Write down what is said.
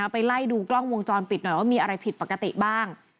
ไปไล่ดูกล้องวงจรปิดหน่อยว่ามีอะไรผิดปกติบ้าง